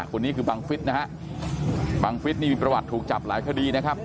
คนนี้คือบังฟิศนะฮะบังฟิศนี่มีประวัติถูกจับหลายคดีนะครับ